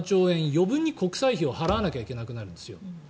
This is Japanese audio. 余分に国債費を払わなきゃいけなくなるんですよ。